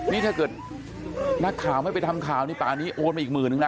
นี่ถ้าเกิดนักข่าวไม่ไปทำข่าวนี่ป่านี้โอนมาอีกหมื่นนึงนะ